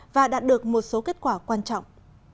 và đạt được một số kết quả quan trọng